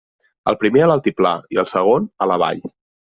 El primer a l'altiplà i el segon, a la vall.